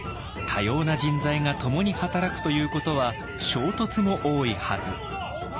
多様な人材が共に働くということは衝突も多いはず。